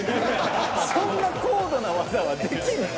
そんな高度な技はできない。